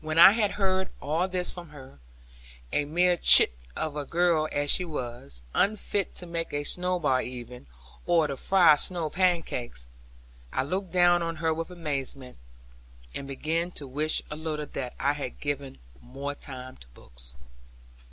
When I had heard all this from her, a mere chit of a girl as she was, unfit to make a snowball even, or to fry snow pancakes, I looked down on her with amazement, and began to wish a little that I had given more time to books.